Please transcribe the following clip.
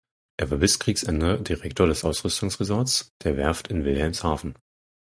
Er war bis Kriegsende Direktor des Ausrüstungsressorts der Werft in Wilhelmshaven.